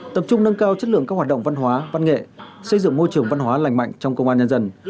tập trung nâng cao chất lượng các hoạt động văn hóa văn nghệ xây dựng môi trường văn hóa lành mạnh trong công an nhân dân